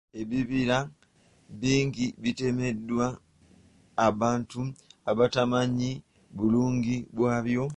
Ebibira bingi bitemeddwa abantu abatamanyi bulungi bwabyo.